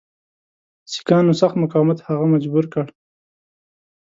سیکهانو سخت مقاومت هغه مجبور کړ.